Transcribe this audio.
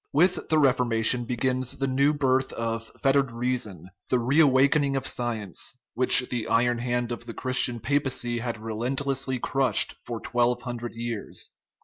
With the Reformation begins the new birth of fettered reason, the reawakening of science, which the iron hand of the Christian papacy had re lentlessly crushed for twelve hundred years.